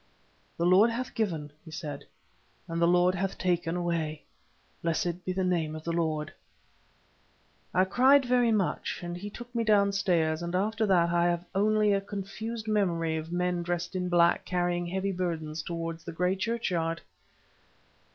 "The Lord hath given," he said, "and the Lord hath taken away; blessed be the name of the Lord." I cried very much, and he took me downstairs, and after that I have only a confused memory of men dressed in black carrying heavy burdens towards the grey churchyard!